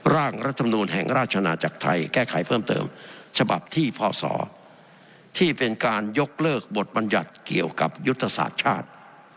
ร่างรัฐมนูลแห่งราชนาจักรไทยแก้ไขเพิ่มเติมฉบับที่พศที่เป็นการยกเลิกบทบัญญัติเกี่ยวกับยุทธศาสตร์ชาติ